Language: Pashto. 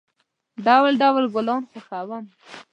ډول، ډول گلان خوښوم.